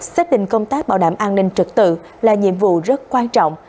xác định công tác bảo đảm an ninh trực tự là nhiệm vụ rất quan trọng